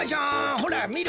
ほらみろ。